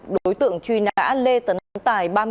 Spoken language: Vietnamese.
đối tượng truy nã lê tấn tài